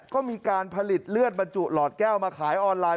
ก็มีการผลิตเลือดบรรจุหลอดแก้วมาขายออนไลน์